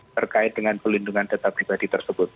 terkait dengan pelindungan data pribadi tersebut